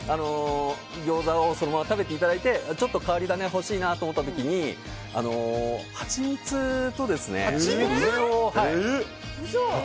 ギョーザをそのまま食べていただいてちょっと変わり種が欲しいなと思ったらハチミツと梅を。